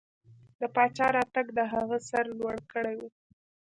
د پاچا راتګ د هغه سر لوړ کړی و.